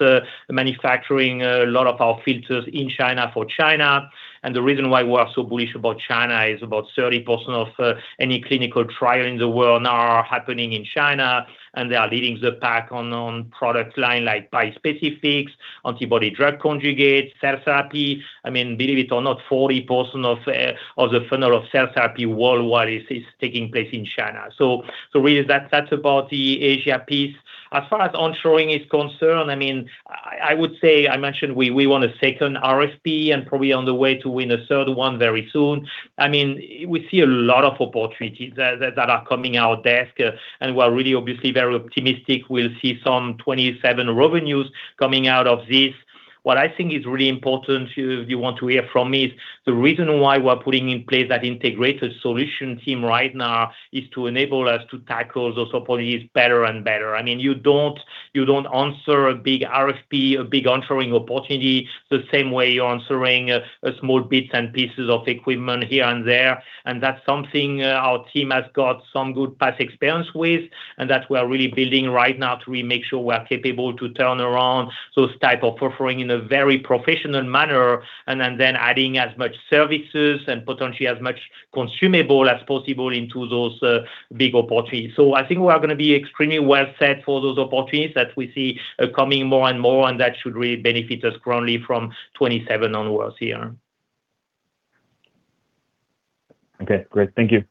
manufacturing a lot of our filters in China for China. The reason why we are so bullish about China is that about 30% of any clinical trial in the world now are happening in China, and they are leading the pack on product lines like bispecifics, antibody-drug conjugates, and cell therapy. Believe it or not, 40% of the funnel of cell therapy worldwide is taking place in China. Really that's about the Asia piece. As far as onshoring is concerned, I would say I mentioned we won a second RFP and are probably on the way to winning a third one very soon. We see a lot of opportunities that are coming to our desk, and we're really obviously very optimistic we'll see some 2027 revenues coming out of this. What I think is really important, you want to hear from me, is the reason why we're putting in place that integrated solution team right now is to enable us to tackle those opportunities better and better. You don't answer a big RFP, a big ongoing opportunity, the same way you're answering small bits and pieces of equipment here and there. That's something our team has got some good past experience with, and that we are really building right now to really make sure we're capable of turning around those types of offerings in a very professional manner and then adding as many services and potentially as much consumable as possible into those big opportunities. I think we are going to be extremely well set for those opportunities that we see coming more and more, and that should really benefit us strongly from 2027 onwards here. Okay, great. Thank you.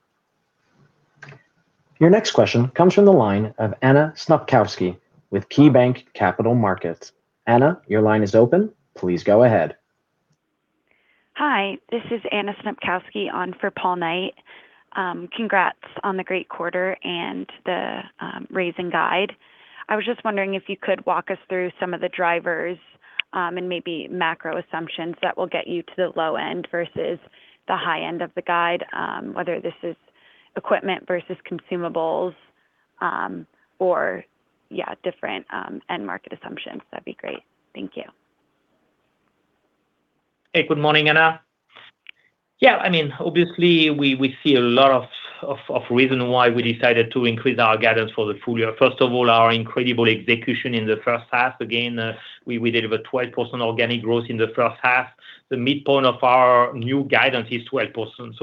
Your next question comes from the line of Anna Snopkowski with KeyBanc Capital Markets. Anna, your line is open. Please go ahead. Hi. This is Anna Snopkowski on for Paul Knight. Congrats on the great quarter and the raising guide. I was just wondering if you could walk us through some of the drivers and maybe macro assumptions that will get you to the low end versus the high end of the guide, whether this is equipment versus consumables or different end market assumptions. That would be great. Thank you. Good morning, Anna. Obviously, we see a lot of reason why we decided to increase our guidance for the full year. First of all, our incredible execution in the first half. Again, we delivered 12% organic growth in the first half. The midpoint of our new guidance is 12%.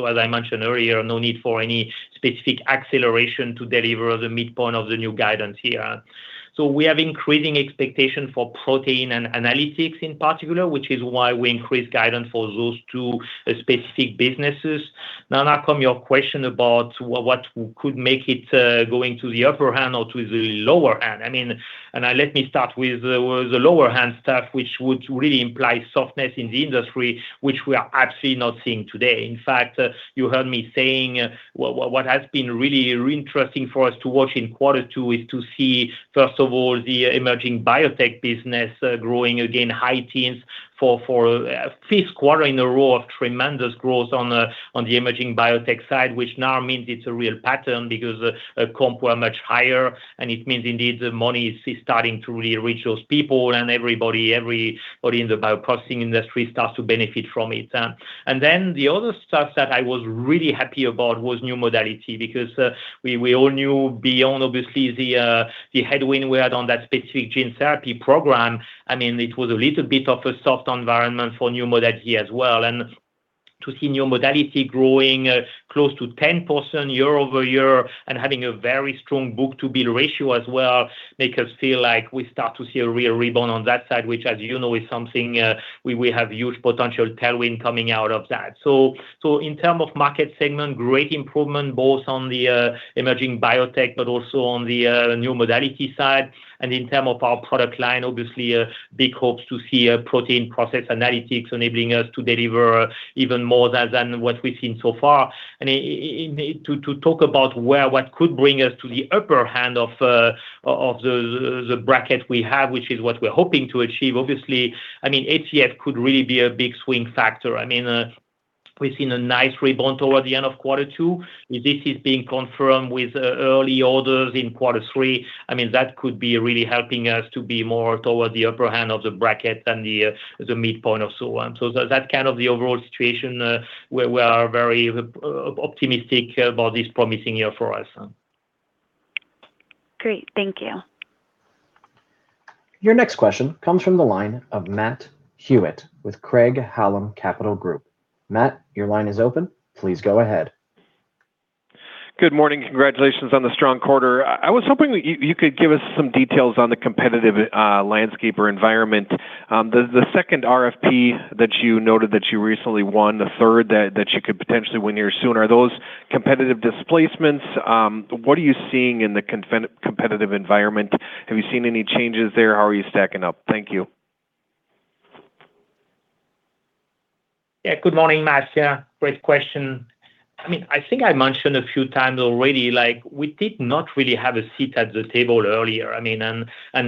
As I mentioned earlier, no need for any specific acceleration to deliver the midpoint of the new guidance here. We have increasing expectations for proteins and Process Analytics in particular, which is why we increased guidance for those two specific businesses. Anna, coming to your question about what could make it go to the upper hand or to the lower hand. Let me start with the lower-hand stuff, which would really imply softness in the industry, which we are absolutely not seeing today. In fact, you heard me saying what has been really interesting for us to watch in quarter two is to see, first of all, the emerging biotech business growing again in the high teens for the fifth quarter in a row of tremendous growth on the emerging biotech side, which now means it is a real pattern because comps were much higher, and it means indeed the money is starting to really reach those people, and everybody in the bioprocessing industry starts to benefit from it. The other stuff that I was really happy about was the new modality because we all knew beyond obviously the headwind we had on that specific gene therapy program. It was a little bit of a soft environment for the new modality as well. To see a new modality growing close to 10% year-over-year and having a very strong book-to-bill ratio as well makes us feel like we are starting to see a real rebound on that side, which, as you know, is something we have a huge potential tailwind coming out of. In terms of market segment, there is great improvement both in the emerging biotech and also on the new modality side. In terms of our product line, obviously, we have big hopes to see protein process analytics enabling us to deliver even more than what we have seen so far. To talk about what could bring us to the upper hand of the bracket we have, which is what we are hoping to achieve. Obviously, ATF could really be a big swing factor. We have seen a nice rebound toward the end of quarter two. If this is being confirmed with early orders in quarter three, that could be really helping us to be more toward the upper hand of the bracket than the midpoint of so on. That's kind of the overall situation. We are very optimistic about this promising year for us. Great. Thank you. Your next question comes from the line of Matt Hewitt with Craig-Hallum Capital Group. Matt, your line is open. Please go ahead. Good morning. Congratulations on the strong quarter. I was hoping that you could give us some details on the competitive landscape or environment. The second RFP that you noted that you recently won, the third that you could potentially win here soon. Are those competitive displacements? What are you seeing in the competitive environment? Have you seen any changes there? How are you stacking up? Thank you. Yeah. Good morning, Matt. Yeah, great question. I think I mentioned a few times already; we did not really have a seat at the table earlier.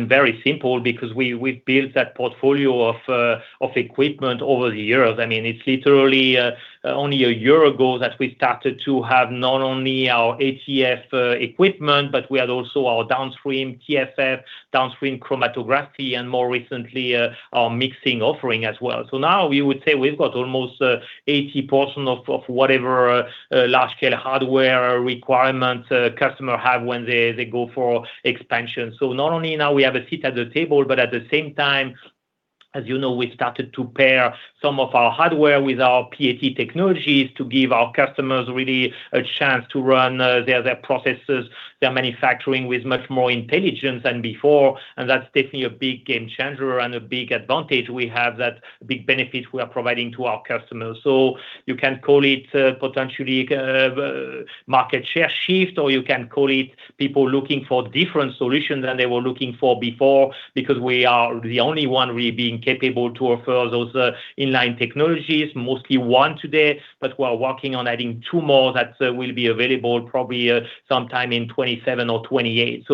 Very simple because we've built that portfolio of equipment over the years. It's literally only a year ago that we started to have not only our ATF equipment, but also our downstream TFF, downstream chromatography, and more recently, our mixing offering as well. Now we would say we've got almost 80% of whatever large-scale hardware requirements a customer has when they go for expansion. Not only do we now have a seat at the table, but at the same time, as you know, we started to pair some of our hardware with our PAT technologies to give our customers a real chance to run their processes, their manufacturing, with much more intelligence than before. That's definitely a big game changer and a big advantage we have, that big benefit we are providing to our customers. You can call it a potential market share shift, or you can call it people looking for different solutions than they were looking for before because we are the only ones really capable of offering those inline technologies. Mostly one today, but we're working on adding two more that will be available probably sometime in 2027 or 2028.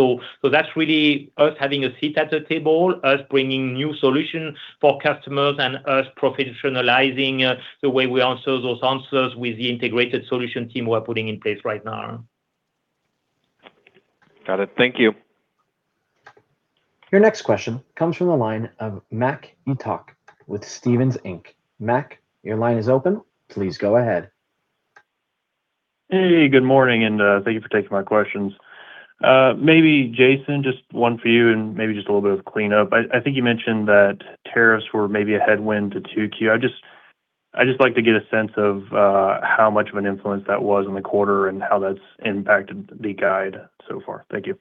That's really us having a seat at the table, us bringing new solutions for customers and us professionalizing the way we answer those answers with the integrated solution team we're putting in place right now. Got it. Thank you. Your next question comes from the line of Mac Etoch with Stephens Inc. Mac, your line is open. Please go ahead. Hey, good morning, and thank you for taking my questions. Maybe Jason, just one for you, and maybe just a little bit of cleanup. I think you mentioned that tariffs were maybe a headwind to 2Q. I'd just like to get a sense of how much of an influence that was in the quarter and how that's impacted the guide so far. Thank you.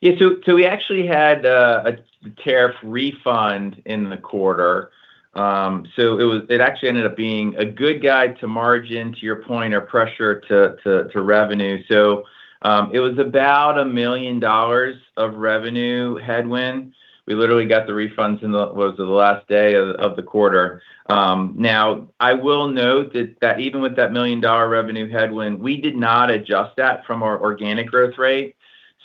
Yeah. We actually had a tariff refund in the quarter. It actually ended up being a good guide to margin, to your point, or to pressure on revenue. It was about a $1 million revenue headwind. We literally got the refunds in what was the last day of the quarter. Now, I will note that even with that $1 million revenue headwind, we did not adjust that from our organic growth rate.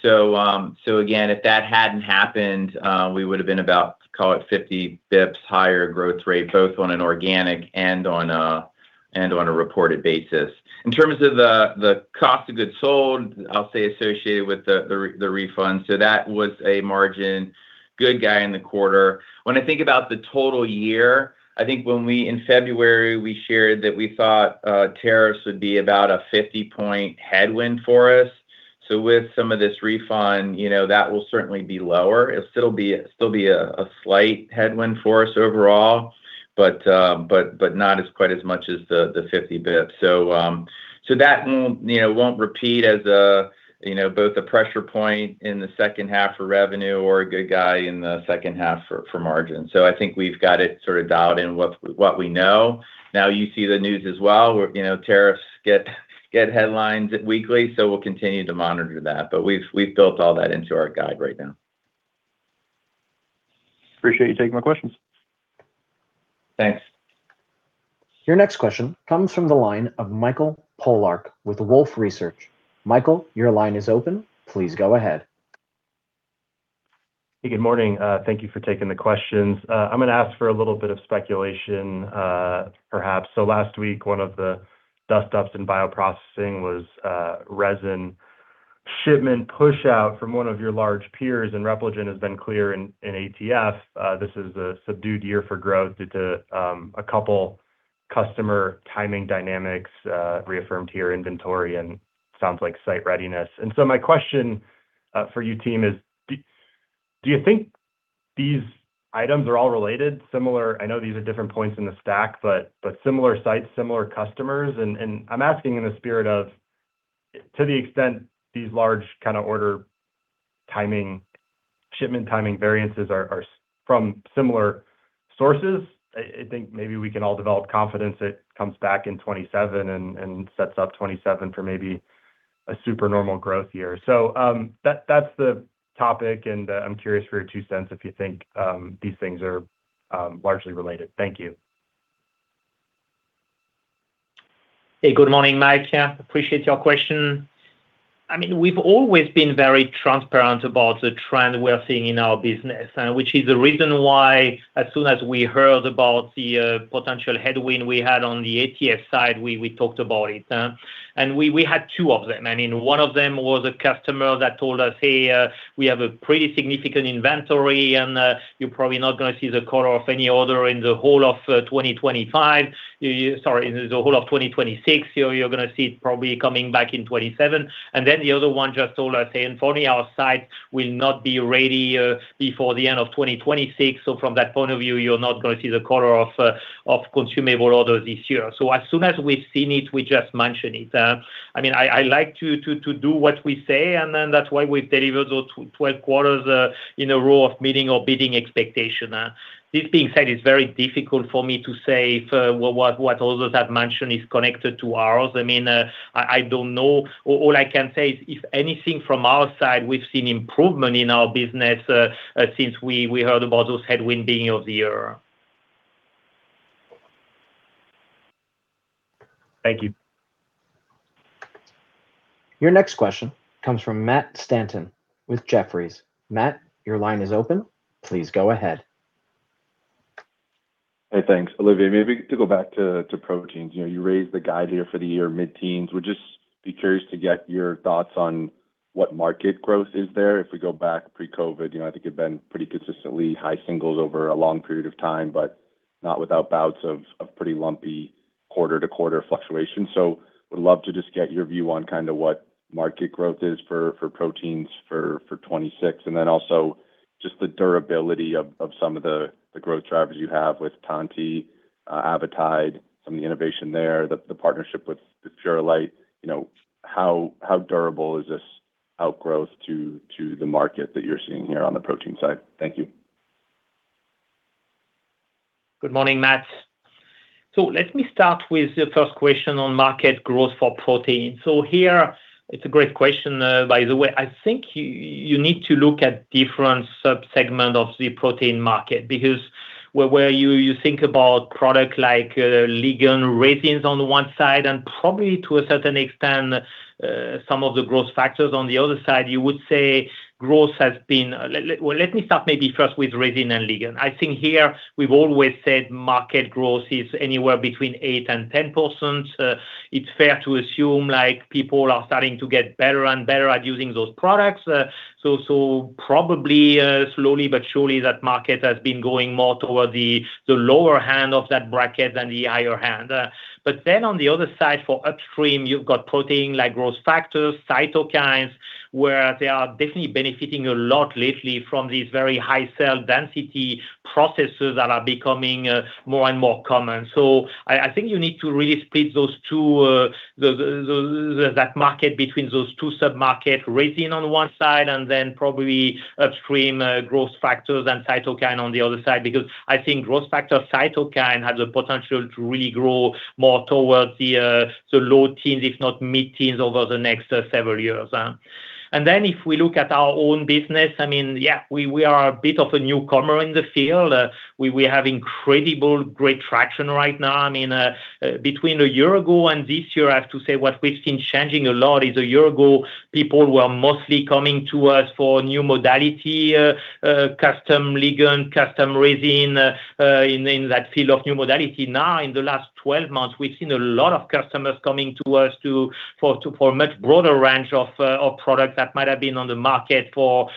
Again, if that hadn't happened, we would've been about, call it, 50 basis points higher growth rate, both on an organic and on a reported basis. In terms of the cost of goods sold, I'll say it's associated with the refund. That was a marginally good guy in the quarter. When I think about the total year, I think when we were in February, we shared that we thought tariffs would be about a 50-point headwind for us. With some of this refund, that will certainly be lower. It'll still be a slight headwind for us overall, but not as quite as much as the 50 basis points. That won't repeat as either a pressure point in the second half for revenue or a good guy in the second half for margin. I think we've got it sort of dialed in with what we know. Now you see the news as well. Tariffs get headlines weekly; we'll continue to monitor that, but we've built all that into our guide right now. Appreciate you taking my questions. Thanks. Your next question comes from the line of Michael Polark with Wolfe Research. Michael, your line is open. Please go ahead. Hey, good morning. Thank you for taking the questions. I'm going to ask for a little bit of speculation, perhaps. Last week, one of the dust-ups in bioprocessing was a resin shipment pushout from one of your large peers. Repligen has been clear in ATF. This is a subdued year for growth due to a couple customer timing dynamics reaffirmed here: inventory and, it sounds like, site readiness. My question for you, team, is, do you think these items are all related? Similar. I know these are different points in the stack but similar sites and similar customers. I'm asking in the spirit of the extent to which these large kinds of order timing and shipment timing variances are from similar sources. I think maybe we can all develop confidence; it comes back in 2027 and sets up 2027 for maybe a super normal growth year. That's the topic, and I'm curious for your two cents if you think these things are largely related. Thank you. Hey, good morning, Mike. Appreciate your question. We've always been very transparent about the trend we are seeing in our business, which is the reason why as soon as we heard about the potential headwind we had on the ATF side, we talked about it. We had two of them; in one of them was a customer that told us, Hey, we have a pretty significant inventory, and you're probably not going to see the quarter of any order in the whole of 2025. Sorry, in the whole of 2026. You're going to see it probably coming back in 2027. The other one just told us, Hey, unfortunately our site will not be ready before the end of 2026. From that point of view, you're not going to see the quarter of consumable orders this year. As soon as we've seen it, we just mention it. I like to do what we say, and that's why we've delivered those 12 quarters in a row of meeting or beating expectations. This being said, it's very difficult for me to say if what others have mentioned is connected to ours. I don't know. All I can say is, if anything from our side, we've seen improvement in our business since we heard about those headwinds being of the year. Thank you. Your next question comes from Matt Stanton with Jefferies. Matt, your line is open. Please go ahead. Hey, thanks. Olivier, maybe to go back to proteins. You raised the guide here for the mid-teens year. I would just be curious to get your thoughts on what market growth there is. If we go back pre-COVID, I think you've been pretty consistently high singles over a long period of time, but not without bouts of pretty lumpy quarter-to-quarter fluctuation. Would love to just get your view on kind of what market growth is for proteins for 2026 and then also just the durability of some of the growth drivers you have with Tantti, Avitide, some of the innovation there, and the partnership with Purolite. How durable is this outgrowth to the market that you're seeing here on the protein side? Thank you. Good morning, Matt. Let me start with the first question on market growth for proteins. Here it's a great question, by the way. I think you need to look at different sub-segments of the proteins market because when you think about products like ligand resins on the one side and probably, to a certain extent, some of the growth factors on the other side, you would say growth has been. Let me start maybe first with resin and ligand. I think here we've always said market growth is anywhere between 8% and 10%. It's fair to assume people are starting to get better and better at using those products. Probably, slowly but surely, that market has been going more towards the lower end of that bracket than the higher end. On the other side for upstream, you've got proteins, like growth factors and cytokines, where they are definitely benefiting a lot lately from these very high cell density processes that are becoming more and more common. I think you need to really split that market between those two sub-markets, resin on one side and then probably upstream growth factors and cytokines on the other side. I think growth factor cytokines have the potential to really grow more towards the low-teens, if not mid-teens, over the next several years. If we look at our own business, we are a bit of a newcomer in the field. We have incredible traction right now. Between a year ago and this year, I have to say what we've seen changing a lot is, a year ago, people were mostly coming to us for new modalities, custom ligands, and custom resins in that field of new modalities. In the last 12 months, we've seen a lot of customers coming to us for a much broader range of products that might have been on the market for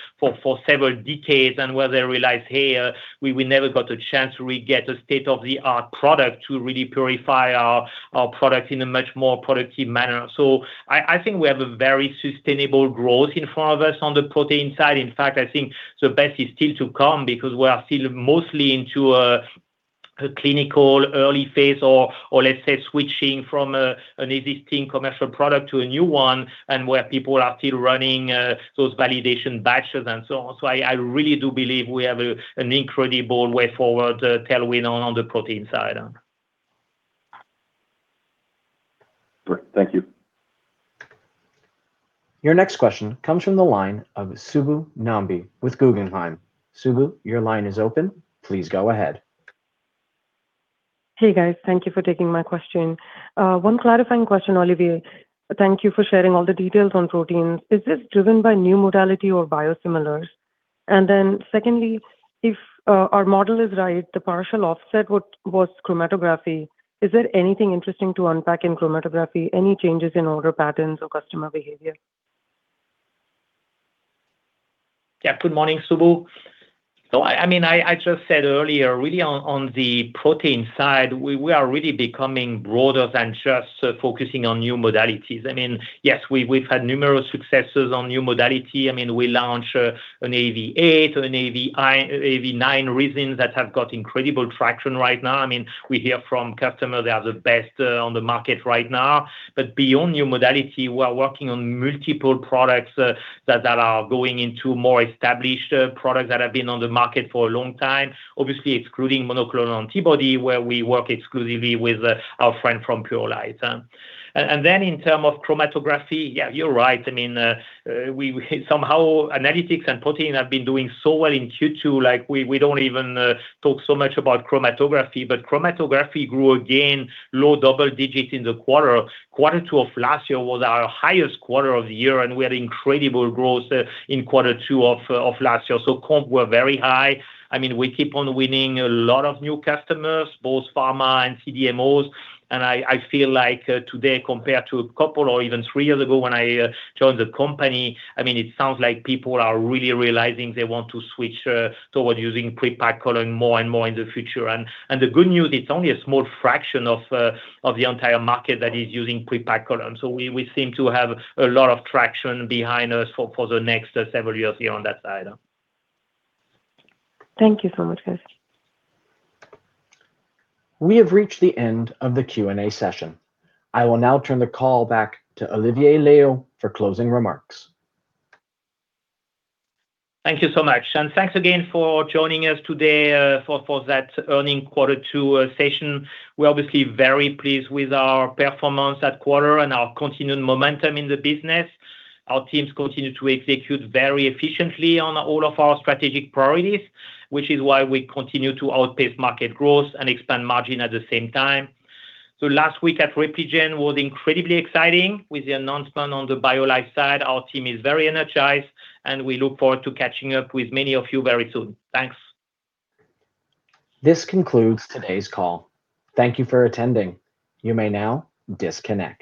several decades, and they realize, Hey, we never got a chance to really get a state-of-the-art product to really purify our product in a much more productive manner. I think we have very sustainable growth in front of us on the protein side. In fact, I think the best is still to come because we are still mostly in a clinical early phase, or let's say, switching from an existing commercial product to a new one, and where people are still running those validation batches and so on. I really do believe we have an incredible way forward, a tailwind on the protein side. Great. Thank you. Your next question comes from the line of Subbu Nambi with Guggenheim. Subbu, your line is open. Please go ahead. Hey, guys. Thank you for taking my question. One clarifying question, Olivier. Thank you for sharing all the details on proteins. Is this driven by new modality or biosimilars? Secondly, if our model is right, the partial offset was chromatography. Is there anything interesting to unpack in chromatography? Any changes in order patterns or customer behavior? Yeah. Good morning, Subbu. As I just said earlier, really on the protein side, we are really becoming broader than just focusing on new modalities. Yes, we've had numerous successes with the new modality. We launched an AVIPure-AAV8 or an AVIPure-AAV9 resin that has got incredible traction right now. We hear from customers that they are the best on the market right now. Beyond the new modality, we are working on multiple products that are going into more established products that have been on the market for a long time. Obviously, excluding monoclonal antibody, where we work exclusively with our friend from Purolite. In terms of Chromatography, yeah, you're right. Somehow Analytics and Proteins have been doing so well in Q2, we don't even talk so much about chromatography. Chromatography grew again in the low double digits in the quarter. Quarter two of last year was our highest quarter of the year, and we had incredible growth in quarter two of last year. Comp were very high. We keep on winning a lot of new customers, both pharma and CDMOs, and I feel like today, compared to a couple or even three years ago when I joined the company, it sounds like people are really realizing they want to switch towards using pre-packed columns more and more in the future. The good news is it's only a small fraction of the entire market that is using pre-packed columns. We seem to have a lot of traction behind us for the next several years here on that side. Thank you so much, guys. We have reached the end of the Q&A session. I will now turn the call back to Olivier Loeillot for closing remarks. Thank you so much. Thanks again for joining us today for that earnings quarter two session. We're obviously very pleased with our performance that quarter and our continuing momentum in the business. Our teams continue to execute very efficiently on all of our strategic priorities, which is why we continue to outpace market growth and expand margin at the same time. Last week at Repligen was incredibly exciting with the announcement on the BioLife side. Our team is very energized, and we look forward to catching up with many of you very soon. Thanks. This concludes today's call. Thank you for attending. You may now disconnect.